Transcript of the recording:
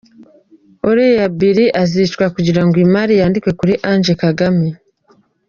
Uriya Billy azicwa kugirango imari yandikwe kuri Ange Kagame.